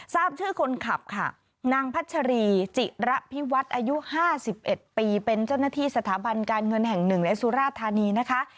ทราบชื่อคนขับค่ะนางพัชรีจิระพิวัฒน์อายุ๕๑ปีเป็นเจ้าหน้าที่สถาบันการเงินแห่งหนึ่งในสุราธานีนะคะ